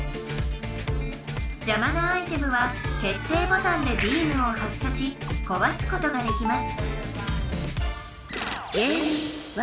じゃまなアイテムは決定ボタンでビームを発射しこわすことができます